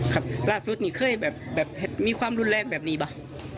ครับล่าสุดนี่เคยแบบมีความรุนแรงแบบนี้ป่ะ